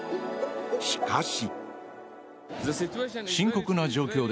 しかし。